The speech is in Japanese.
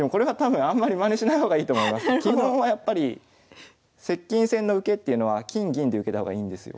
でもこれは多分基本はやっぱり接近戦の受けっていうのは金銀で受けた方がいいんですよ。